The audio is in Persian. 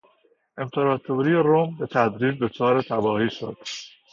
امپراطوری روم به تدریج دچار تباهی شد.